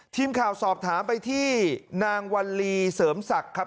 ทีมข่าวสอบถามไปที่นางวัลลีเสริมศักดิ์ครับ